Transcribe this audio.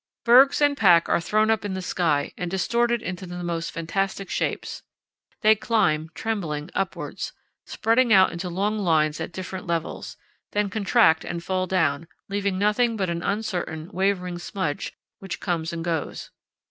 "Bergs and pack are thrown up in the sky and distorted into the most fantastic shapes. They climb, trembling, upwards, spreading out into long lines at different levels, then contract and fall down, leaving nothing but an uncertain, wavering smudge which comes and goes.